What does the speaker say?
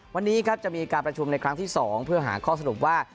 วันนี้ครับจะมีการประชุมในครั้งที่๒เพื่อหาข้อสรุปว่า